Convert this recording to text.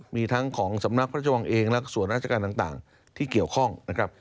มีทั้งของสำนักพระชวังเองและส่วนราชการต่างที่เกี่ยวข้องนะครับ